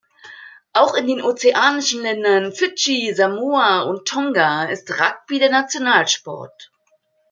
Auch in den ozeanischen Ländern Fidschi, Samoa und Tonga ist Rugby der Nationalsport.